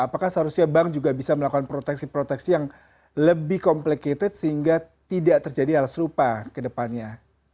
apakah seharusnya bank juga bisa melakukan proteksi proteksi yang lebih complicated sehingga tidak terjadi alas rupa kedepannya